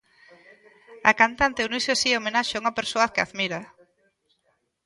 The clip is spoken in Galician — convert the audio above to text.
A cantante uniuse así á homenaxe a unha persoa á que admira.